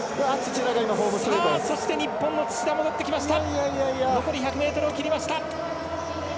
そして日本の土田戻ってきました。